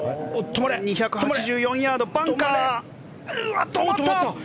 ２８４ヤードバンカー。